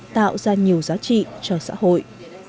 tạo ra nhiều giá trị cho xã hội